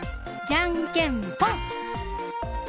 じゃんけんぽん！